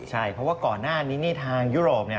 ใช่เพราะว่าก่อนหน้านี้นี่ทางยุโรปเนี่ย